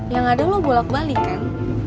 yang ada lo bolak balik kan